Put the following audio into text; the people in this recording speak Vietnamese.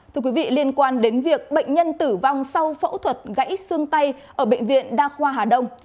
thưa quý vị liên quan đến việc bệnh nhân tử vong sau phẫu thuật gãy xương tay ở bệnh viện đa khoa hà đông